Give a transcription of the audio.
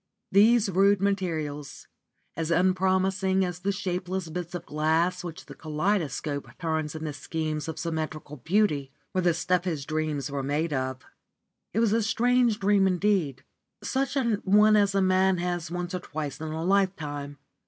These rude materials, as unpromising as the shapeless bits of glass which the kaleidoscope turns into schemes of symmetrical beauty, were the stuff his dream was made of. It was a strange dream indeed, such an one as a man has once or twice in a lifetime.